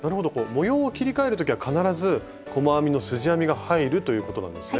模様を切りかえる時は必ず細編みのすじ編みが入るということなんですね。